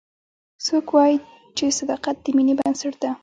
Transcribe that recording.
څوک وایي چې صداقت د مینې بنسټ ده